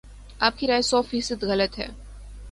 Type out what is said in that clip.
آپ کی رائے سو فیصد غلط ہے